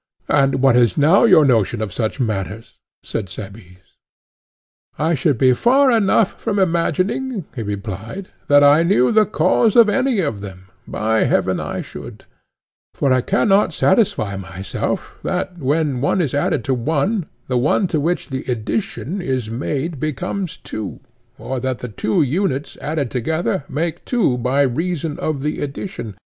And what is now your notion of such matters? said Cebes. I should be far enough from imagining, he replied, that I knew the cause of any of them, by heaven I should; for I cannot satisfy myself that, when one is added to one, the one to which the addition is made becomes two, or that the two units added together make two by reason of the addition.